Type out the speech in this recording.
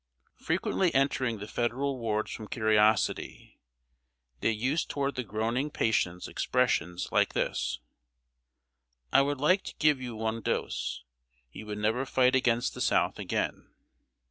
Frequently entering the Federal wards from curiosity, they used toward the groaning patients expressions like this: "I would like to give you one dose! You would never fight against the South again!"